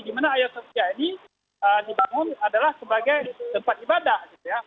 di mana haya sofia ini dibangun adalah sebagai tempat ibadah